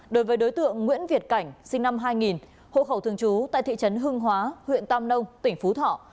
đối với đối tượng nguyễn việt cảnh sinh năm hai nghìn hộ khẩu thường trú tại thị trấn hưng hóa huyện tam nông tỉnh phú thọ